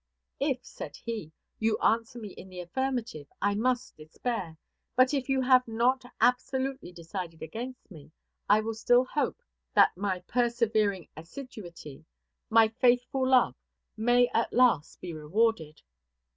"If," said he, "you answer me in the affirmative, I must despair; but if you have not absolutely decided against me, I will still hope that my persevering assiduity, my faithful love, may at last be rewarded."